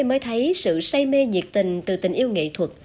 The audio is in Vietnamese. mới thấy sự say mê nhiệt tình từ tình yêu nghệ thuật